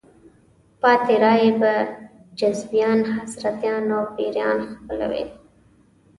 پاتې رایې به حزبیان، حضرتیان او پیران خپلوي.